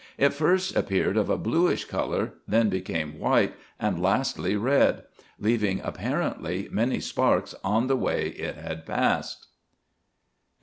It first appeared of a blueish colour, then became white, and lastly red ; leaving, apparently, many sparks on the way it had passed.